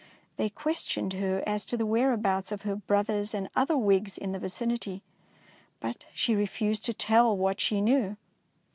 They questioned her as to the whereabouts of her brothers and other Whigs in the vicinity, but she refused to tell what she knew.